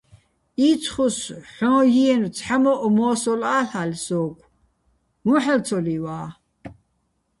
იცხუს ჰ̦ოჼ ჲიენო̆ ცჰ̦ა მო́ჸ მო́სოლ ა́ლ'ალე̆ სო́გო̆, უ̂ჼ ჰ̦ალო̆ ცო ლივა́?